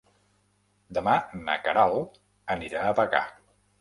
Demà na Queralt anirà a Bagà.